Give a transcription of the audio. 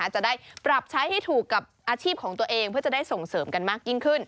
จะได้ปรับใช้ให้ถูกกับอาชีพของตัวเองเพื่อจะได้ส่งเสริมกันมากยิ่งขึ้น